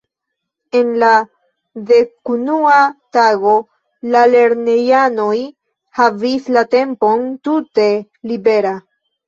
En la dekunua tago la lernejanoj havis la tempon tute libera.